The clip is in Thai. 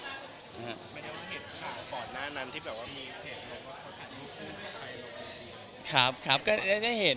ไม่ได้ว่าเห็นข่าวก่อนหน้านั้นที่แบบว่ามีเพลงว่าเขาถ่ายที่ไทยหรือเปล่า